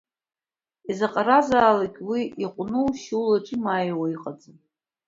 Изаҟаразаалак уи иҟәнушьо, улаҿы имааиуа иҟаӡам.